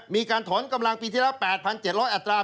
มีการถอนกำลังปีที่แล้ว๘๗๐๐อัตรา